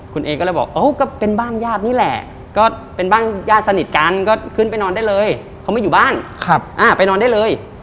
คุณเอก็เลยบอกโอ้ก็เป็นบ้านญาตินี่แหละก็เป็นบ้านญาติสนิทกันก็ขึ้นไปนอนได้เลยเขาไม่อยู่บ้านไปนอนได้เลย